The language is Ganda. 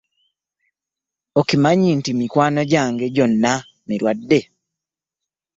Okimanyi nti mikwano gyange gyona mirwadde.